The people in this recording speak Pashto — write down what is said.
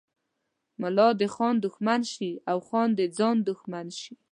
ملا د خان دښمن شي او خان د ځان دښمن شي.